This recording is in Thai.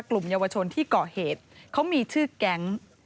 กลุ่มเยาวชนที่ก่อเหตุเขามีชื่อแก๊ง